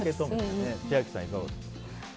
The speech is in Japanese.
千秋さん、いかがですか。